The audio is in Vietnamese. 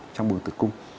trong buồng tự cung